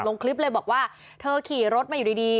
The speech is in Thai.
ลงคลิปเลยบอกว่าเธอขี่รถมาอยู่ดี